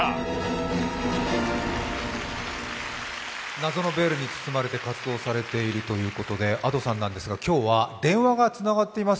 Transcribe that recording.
謎のベールに包まれて活動されているということで、Ａｄｏさんなんですが今日は電話がつながっています。